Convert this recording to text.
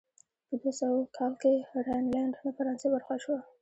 په دوه سوه اووه کال کې راینلنډ د فرانسې برخه شوه.